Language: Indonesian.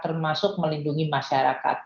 termasuk melindungi masyarakat